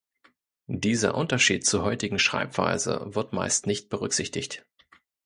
Dieser Unterschied zur heutigen Schreibweise wird meist nicht berücksichtigt.